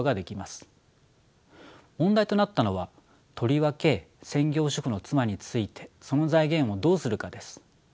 問題となったのはとりわけ専業主婦の妻についてその財源をどうするかです。